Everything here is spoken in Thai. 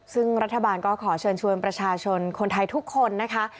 ซึ่งรัฐบาลก็ขอเชิญชวนประชาชนคนไทยทุกคนนะคะ